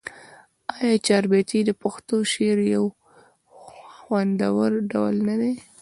آیا چهاربیتې د پښتو شعر یو خوندور ډول نه دی؟